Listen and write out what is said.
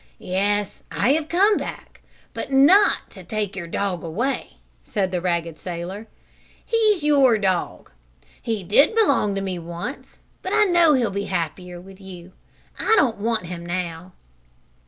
"Yes, I have come back, but not to take your dog away," said the ragged sailor. "He's your dog he did belong to me once, but I know he'll be happier with you. I don't want him now."